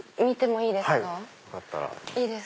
いいですか。